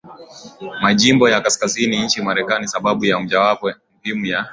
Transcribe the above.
majimbo ya kaskazini nchini Marekani Sababu mojawapo muhimu ya